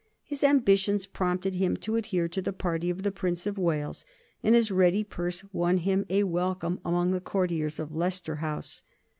His ambitions prompted him to adhere to the party of the Prince of Wales, and his ready purse won him a welcome among the courtiers of Leicester House.